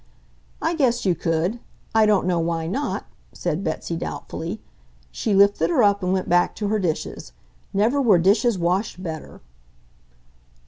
"I guess you could. I don't know why NOT," said Betsy doubtfully. She lifted her up and went back to her dishes. Never were dishes washed better!